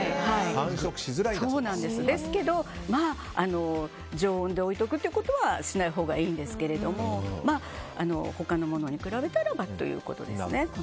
ですけど常温で置いておくということはしないほうがいいんですけど他のものに比べたらばということですね。